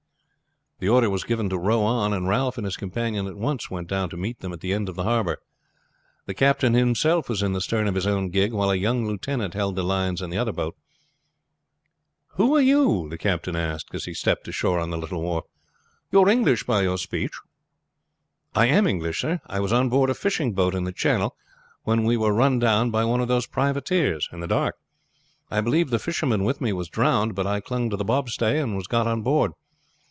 The order was given to row on, and Ralph and his companion at once went down to meet them at the end of the harbor. The captain himself was in the stern of his own gig, while a young lieutenant held the lines in the other boat. "Who are you? the captain asked, as he stepped ashore on the little wharf. You are English by your speech." "I am English, sir. I was on board a fishing boat in the channel when we were run down by one of those privateers in the dark. I believe the fisherman with me was drowned, but I clung to the bobstay and was got on board.